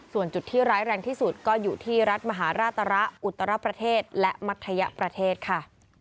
ส่วนจุดที่ร้ายแรงที่สุดก็อยู่ที่รัฐมหาราชระอุตรประเทศและมัธยประเทศค่ะ